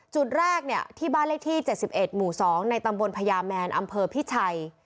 จุดแรกที่บ้านเลขที่๗๑หมู่๒ในตำบลพญาแมนอำเภอพิชัย